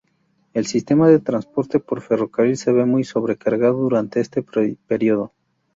El sistema de transporte por ferrocarril se ve muy sobrecargado durante este período.